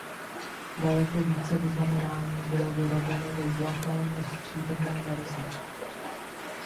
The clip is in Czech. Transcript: Daleko více vyznamenání bylo vyrobeno ve zlaté než stříbrné verzi.